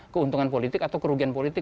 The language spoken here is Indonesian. keuntungan politik atau kerugian politik